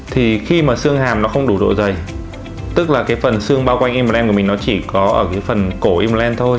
thì khi mà xương hàm nó không đủ độ dày tức là cái phần xương bao quanh em của mình nó chỉ có ở cái phần cổ imland thôi